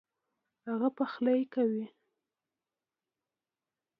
هغه پخلی کوي